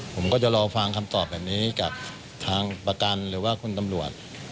ผมก็จะรอฟังคำตอบแบบนี้กับทางประกันหรือว่าคุณตำรวจ